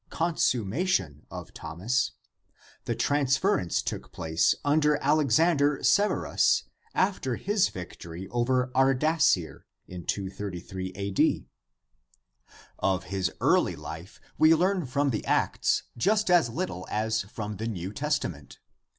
Consummation) of Thomas (see Lipsius, I, 144) the transference took place under Alexander Severus after his victory over Ardasir {2^^ A. D.). Of his early life we learn from the Acts just as little as from the New Testament.